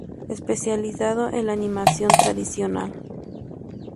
Especializado en la animación tradicional.